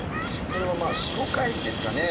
これはまあ４５回ですかね。